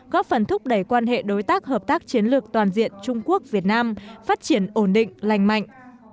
góp phần thúc đẩy quan hệ đối tác hợp tác chiến lược toàn diện trung quốc việt nam phát triển ổn định lành mạnh